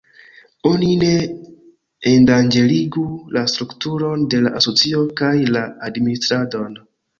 Oni ne endanĝerigu la strukturon de la asocio kaj la administradon.